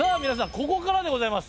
ここからでございます。